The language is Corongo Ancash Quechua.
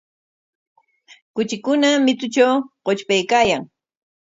Kuchikuna mitutraw qutrpaykaayan.